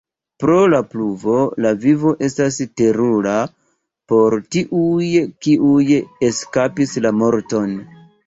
Pro la pluvo, la vivo estas terura por tiuj kiuj eskapis la morton.